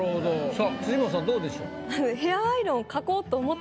さあ辻元さんどうでしょう？